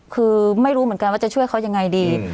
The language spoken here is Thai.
คือไม่รู้เหมือนกันว่าจะช่วยเขายังไงดี